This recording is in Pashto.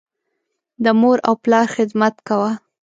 د مور او پلار خدمت کوه.